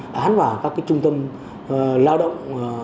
bán vào các cái trung tâm lao động